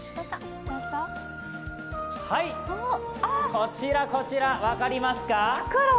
はい、こちらこちら、分かりますか？